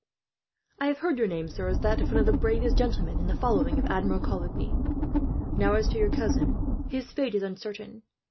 "I have heard your name, sir, as that of one of the bravest gentlemen in the following of Admiral Coligny. "Now, as to your cousin; his fate is uncertain.